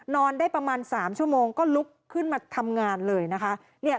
นอนได้ประมาณ๓ชั่วโมงก็ลุกขึ้นมาทำงานเลยนะคะ